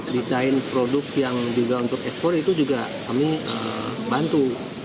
desain produk yang juga untuk ekspor itu juga kami bantu